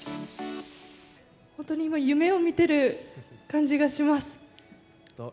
本当に今、夢を見てる感じがします。